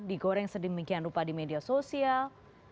digoreng sedemikian rupa di media sosial